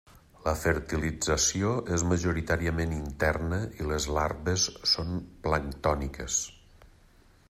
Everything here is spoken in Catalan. La fertilització és majoritàriament interna i les larves són planctòniques.